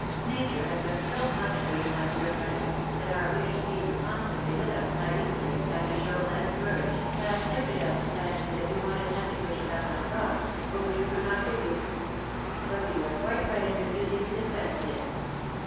Nature has done so much for you, my dear friend, that our wish to keep you constantly with us might easily, had you shown less courage, have tempted us to fancy that you wanted nothing which you have not got, or which we could not give you. But you are quite right in refusing to consent to this.